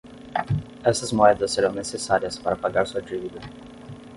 Estas moedas serão necessárias para pagar sua dívida.